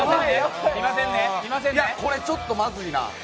いや、これちょっとまずいな。